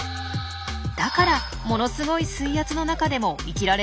だからものすごい水圧の中でも生きられるんですよ。